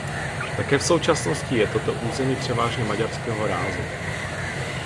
Také v současnosti je toto území převážně maďarského rázu.